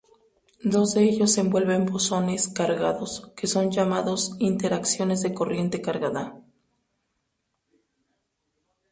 Dos de ellos envuelven bosones cargados, que son llamados "interacciones de corriente cargada".